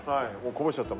こぼしちゃった。